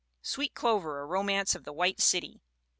Sweet Clover, a Romance of the White City, 1894.